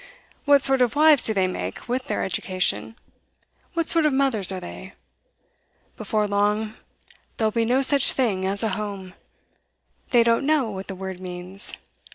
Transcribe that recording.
What sort of wives do they make, with their education? What sort of mothers are they? Before long, there'll be no such thing as a home. They don't know what the word means.